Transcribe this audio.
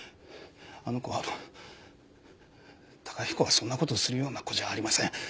あの子は崇彦はそんな事をするような子じゃありません。